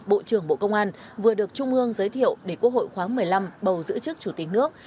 bộ trưởng bộ công an vừa được trung ương giới thiệu để quốc hội khoáng một mươi năm bầu giữ chức chủ tịch nước